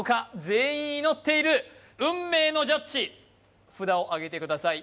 全員祈っている運命のジャッジ札をあげてください